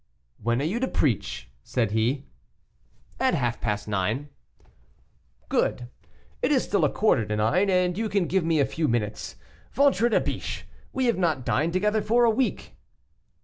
"When are you to preach?" said he. "At half past nine." "Good; it is still a quarter to nine, you can give me a few minutes. Ventre de biche! we have not dined together for a week."